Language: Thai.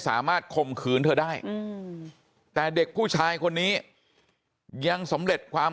ข่มขืนเธอได้แต่เด็กผู้ชายคนนี้ยังสำเร็จความ